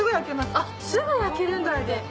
あっすぐ焼けるんだ。